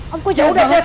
om gue jangan dengar